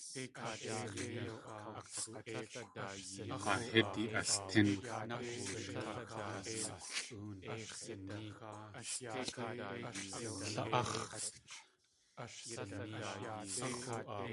Haa hídi altín.